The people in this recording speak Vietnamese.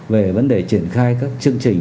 về vấn đề triển khai các chương trình